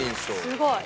すごい。